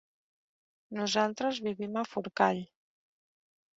Nosaltres vivim a Forcall.